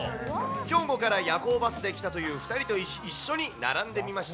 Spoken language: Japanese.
兵庫から夜行バスで来たという２人と一緒に並んでみました。